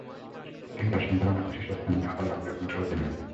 তিনি তার সময়কালে অন্যতম শীর্ষস্থানীয় অল-রাউন্ডারের ভূমিকায় অবতীর্ণ হয়েছিলেন।